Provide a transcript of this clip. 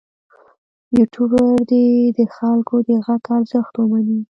یوټوبر دې د خلکو د غږ ارزښت ومني.